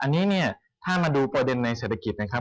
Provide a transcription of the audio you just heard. แต่ถ้ามัดลงการเนี่ยเป็นศีรองแล้ว